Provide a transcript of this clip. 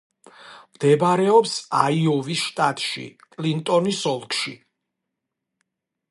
მდებარეობს აიოვის შტატში, კლინტონის ოლქში.